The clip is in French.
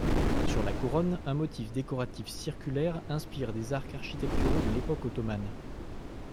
Sur la couronne un motif décoratif circulaire inspire des arcs architecturaux de l’époque Ottomane.